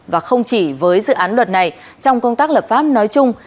và không chỉ với dự án luật này trong công tác lập pháp nói chung